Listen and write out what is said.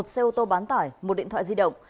một xe ô tô bán tải một điện thoại di động